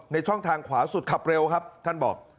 ช่องทางขวาสุดขับเร็วครับท่านบอก